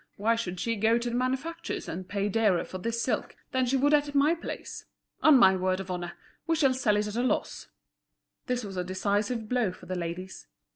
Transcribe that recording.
Why should she go to the manufacturers and pay dearer for this silk than she would at my place? On my word of honour, we shall sell it at a loss." This was a decisive blow for the ladies.